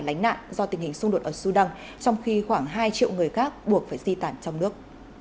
lánh nạn do tình hình xung đột ở sudan trong khi khoảng hai triệu người khác buộc phải di tản trong nước